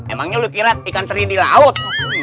emangnya lo kira ikan sering di laut